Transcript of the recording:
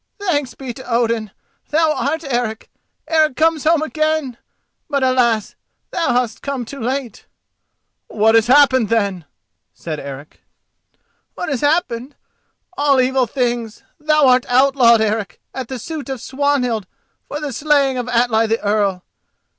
"Thanks be to Odin! Thou art Eric—Eric come home again! But alas, thou hast come too late!" "What has happened, then?" said Eric. "What has happened? All evil things. Thou art outlawed, Eric, at the suit of Swanhild for the slaying of Atli the Earl.